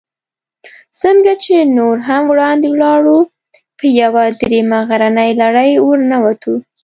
څنګه چې نور هم وړاندې ولاړو، په یوه درېیمه غرنۍ لړۍ ورننوتو.